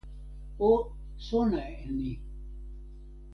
o sona e ni: